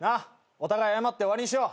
お互い謝って終わりにしよう。